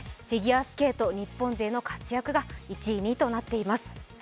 フィギュアスケート日本勢の活躍が１位、２位となっています。